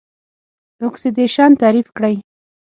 اکسیدیشن تعریف کړئ.